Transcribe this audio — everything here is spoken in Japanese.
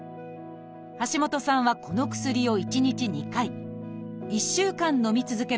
橋下さんはこの薬を１日２回１週間のみ続けました。